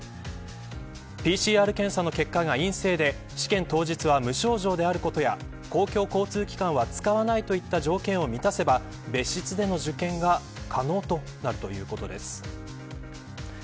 ＰＣＲ検査の結果が陰性で試験当日は無症状であることや公共交通機関は使わないといった条件を満たせば別室での受験が可能となるということです。